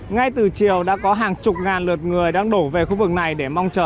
ngay từ chiều đã có hàng chục ngàn lượt người đang đổ về khu vực này để mong chờ